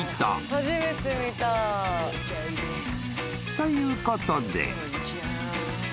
［ということで］